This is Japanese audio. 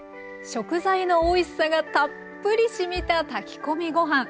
食材のおいしさがたっぷりしみた炊き込みご飯。